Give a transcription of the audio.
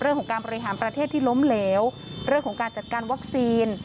เรื่องของการบริหารประเทศที่ล้มเหลวเรื่องของการจัดการวัคซีน